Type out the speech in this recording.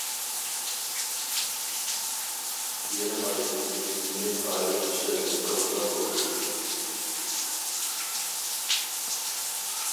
يېرىم ئايدىن كېيىن يېنىك ئائىلە ئىشلىرىنى قىلسا بولىدۇ.